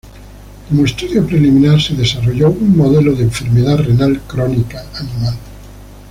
Como estudio preliminar, se desarrolló un modelo de enfermedad renal crónica animal.